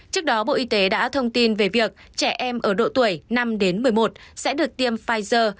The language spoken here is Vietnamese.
trước đó bộ y tế đã thông tin về việc trẻ em ở độ tuổi năm đến một mươi một sẽ được tiêm pfizer